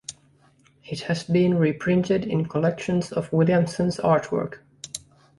It has been reprinted in collections of Williamson's artwork.